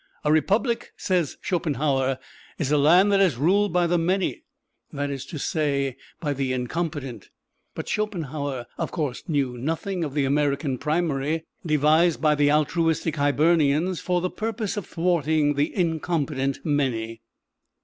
"A Republic," says Schopenhauer, "is a land that is ruled by the many that is to say, by the incompetent." But Schopenhauer, of course, knew nothing of the American primary, devised by altruistic Hibernians for the purpose of thwarting the incompetent many.